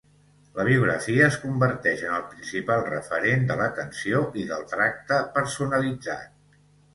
La biografia es converteix en el principal referent de l'atenció i del tracte personalitzat.